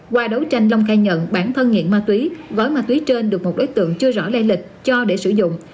qua đấu tranh long khai nhận bản thân nghiện ma túy gói ma túy trên được một đối tượng chưa rõ lây lịch cho để sử dụng